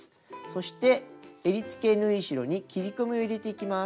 そしてえりつけ縫い代に切り込みを入れていきます。